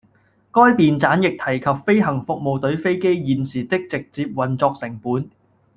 該便箋亦提及飛行服務隊飛機現時的直接運作成本